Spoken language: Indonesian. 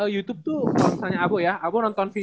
youtube tuh kalau misalnya abu ya abu nonton